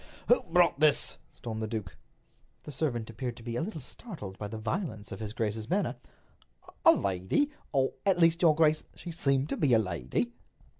"Who brought this?" stormed the duke. The servant appeared to be a little startled by the violence of his grace's manner. "A lady—or, at least, your grace, she seemed to be a lady."